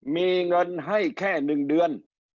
มีเงินให้แค่๑เดือน